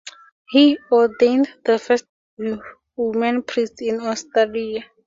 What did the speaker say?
He ordained the first women priests in Australia.